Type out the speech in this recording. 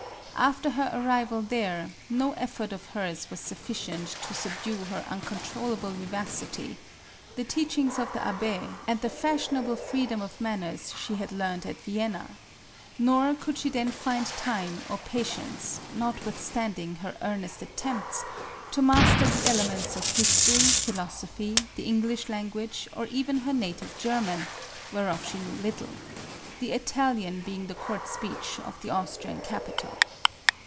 After her arrival there, no effort of hers was sufficient to subdue her uncontrollable vivacity, the teachings of the Abbu, and the fashionable freedom of manners she had learned ±50 MARIE ANTOINETTE. at Vienna ; nor could she then find time or patience, notwithstanding her earnest attempts, to master the elements of history, philosophy, the«English language, or even her native German, whereof she knew little, the Italian being the court speech of the Austrian cap ital.